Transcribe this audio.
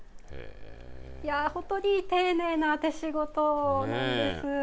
本当に丁寧な手仕事なんです。